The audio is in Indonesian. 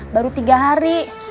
baru tiga hari